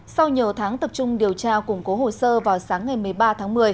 sau nhiều tháng tập trung điều tra củng cố hồ sơ vào sáng ngày một mươi ba tháng một mươi